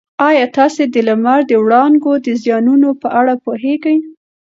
ایا تاسي د لمر د وړانګو د زیانونو په اړه پوهېږئ؟